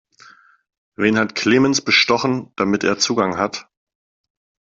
Wen hat Clemens bestochen, damit er Zugang hat?